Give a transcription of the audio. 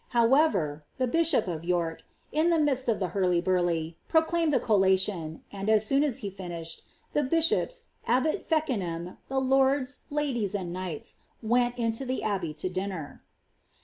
However, the archbishop of York, in the midst of the hurlyburiy, ^ proclaimed a collation ; and, as soon as he finiriiedi the bishops, abbot Feckenham, the lords, ladies, and knights, went ime the abbey to dinner.''